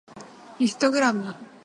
ヒストグラム